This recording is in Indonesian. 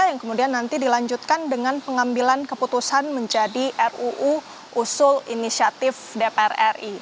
yang kemudian nanti dilanjutkan dengan pengambilan keputusan menjadi ruu usul inisiatif dpr ri